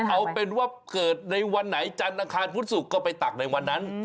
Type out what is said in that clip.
เอาเป็นว่าเกิดในวันไหนจันทร์อังคารพุธศุกร์ก็ไปตักในวันนั้น